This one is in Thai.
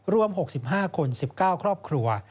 รวม๖๕คน๑๙ครอบครัว